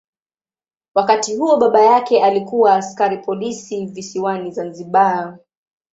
Wakati huo baba yake alikuwa askari polisi visiwani Zanzibar.